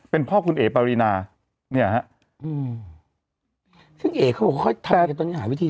เป็นพ่อคุณเอ๋ปารีนาเนี่ยฮะอืมซึ่งเอ๋เขาบอกเขาทายกันตอนนี้หาวิธี